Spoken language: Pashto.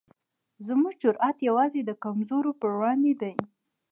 زموږ جرئت یوازې د کمزورو پر وړاندې دی.